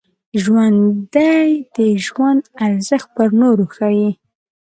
ژوندي د ژوند ارزښت پر نورو ښيي